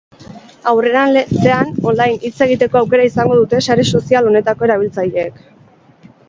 Aurrerantzean, online hitz egiteko aukera izango dute sare sozial honetako erabiltzaileek.